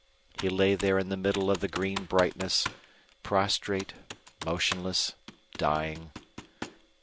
He lay there in the middle of the green brightness, prostrate, motionless, dying.